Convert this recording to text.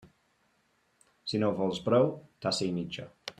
Si no vols brou, tassa i mitja.